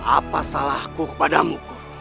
apa salahku kepadamu